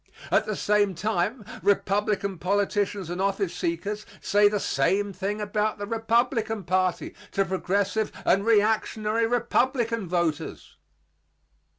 At the same time, Republican politicians and office seekers say the same thing about the Republican party to progressive and reactionary Republican voters.